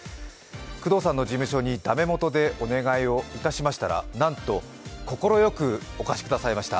工藤さんの事務所に駄目元でお願いしましたらなんと快くお貸しくださいました。